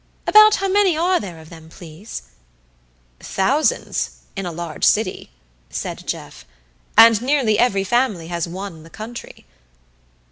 About how many are there of them, please?" "Thousands in a large city," said Jeff, "and nearly every family has one in the country."